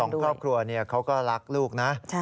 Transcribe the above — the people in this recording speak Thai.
ของครอบครัวเขาก็รักลูกนะ